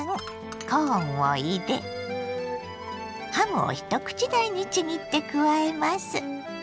コーンを入れハムを一口大にちぎって加えます。